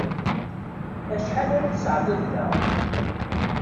Acḥal ara tesεeddiḍ da?